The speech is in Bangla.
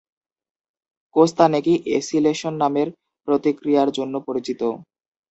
কোস্তানেকি এসিলেশন নামের প্রতিক্রিয়ার জন্য পরিচিত।